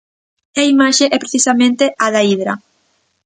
E a imaxe é precisamente a da hidra.